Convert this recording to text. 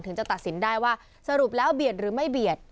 จะตัดสินได้ว่าสรุปแล้วเบียดหรือไม่เบียด